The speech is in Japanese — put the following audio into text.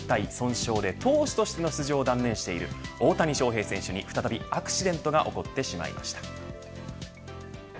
右肘の靱帯損傷で投手としての出場を断念している大谷翔平選手に再びアクシデントが起こってしまいました。